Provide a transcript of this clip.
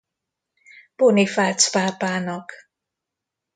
Bonifác pápának.